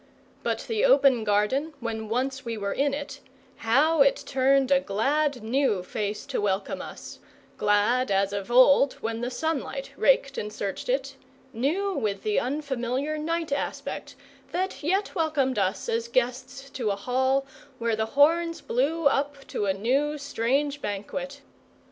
But the open garden, when once we were in it how it turned a glad new face to welcome us, glad as of old when the sunlight raked and searched it, new with the unfamiliar night aspect that yet welcomed us as guests to a hall where the horns blew up to a new, strange banquet!